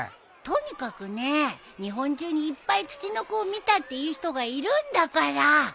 とにかくね日本中にいっぱいツチノコを見たっていう人がいるんだから。